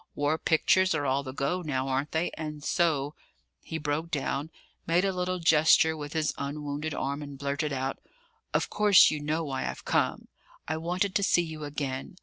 War pictures are all the go now, aren't they? And so " He broke down, made a little gesture with his unwounded arm, and blurted out, "Of course you know why I've come. I wanted to see you again.